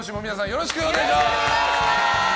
よろしくお願いします。